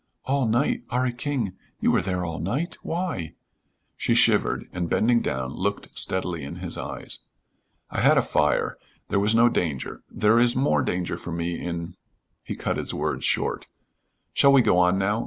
"All night? 'Arry King, you were there all night? Why?" she shivered, and, bending down, looked steadily in his eyes. "I had a fire. There was no danger. There is more danger for me in " he cut his words short. "Shall we go on now?